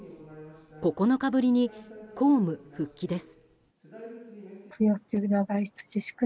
９日ぶりに公務復帰です。